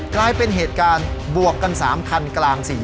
กลายเป็นเหตุการณ์บวกกันสามคันกลางสี่แยกเลย